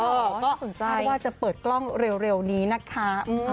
โอเคเออก็แล้วจะเปิดกล้องเร็วเร็วนี้นะคะอืม